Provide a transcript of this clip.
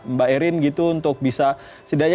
mbak erin gitu untuk bisa setidaknya